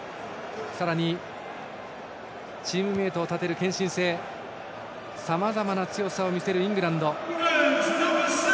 さらに、チームメートを立てる献身性さまざまな強さを見せるイングランド。